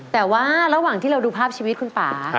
แต่ว่าระหว่างที่เราดูภาพชีวิตคุณป่า